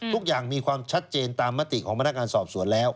ทุกอย่างมีความชัดเจนตามมติของพนักงานสอบสวนแล้ว